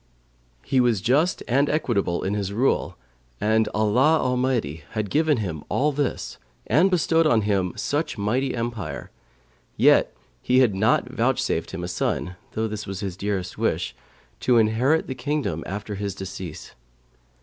He was just and equitable in his rule and Allah Almighty had given him all this and had bestowed on him such mighty empire, yet had He not vouchsafed him a son (though this was his dearest wish) to inherit the kingdom after his decease.